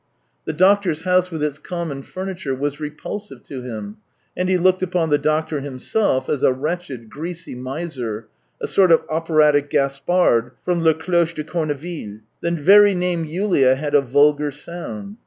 The doctor's house with its common furniture was repulsive to him, and he looked upon the doctor himself as a wretched, greasy miser, a sort of operatic Gaspard from " Les Cloches de Corneville." The very name " Yulia " had a vulgar sound.